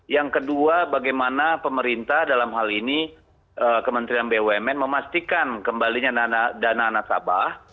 yang kedua bagaimana pemerintah dalam hal ini kementerian bumn memastikan kembalinya dana nasabah